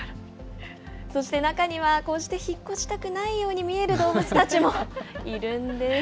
そして中にはこうして、引っ越したくないように見える動物たちもいるんです。